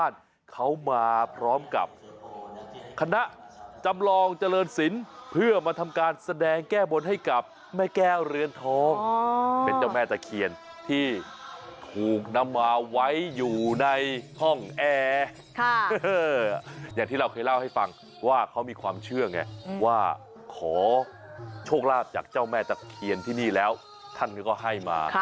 อย่างที่เราเคยเล่าให้ฟังว่าเขามีความเชื่อไงว่าขอโชคลาภจากเจ้าแม่ตะเคียนที่นี่แล้วท่านก็ให้มา